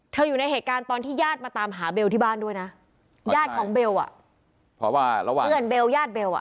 เธออยู่ในเหตุการณ์ตอนที่ญาติมาตามหาเบลที่บ้านด้วยนะญาติของเบลอ่ะเพื่อนเบลญาติเบลอ่ะ